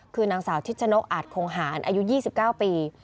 คือนางสาวชิดชนกอาจคงหารอายุ๒๙ปี